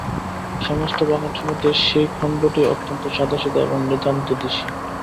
সমস্ত বাগানটির মধ্যে সেই খণ্ডটিই অত্যন্ত সাদাসিধা এবং নিতান্ত দিশি।